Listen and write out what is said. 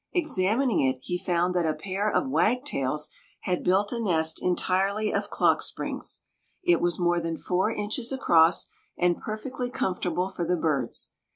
Examining it he found that a pair of wag tails had built a nest entirely of clock springs. It was more than four inches across and perfectly comfortable for the birds.